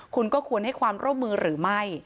คุณก็ควรให้ความร่วมมือหรือไม่